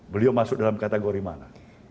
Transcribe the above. beliau masuk dalam kategori mana